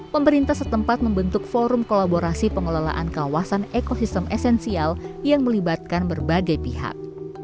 pemerintah setempat membentuk forum kolaborasi pengelolaan kawasan ekosistem esensial yang melibatkan berbagai pihak